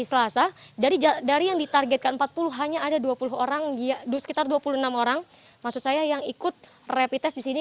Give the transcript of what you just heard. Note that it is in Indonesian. selasa dari yang ditargetkan empat puluh hanya ada dua puluh orang sekitar dua puluh enam orang maksud saya yang ikut rapid test di sini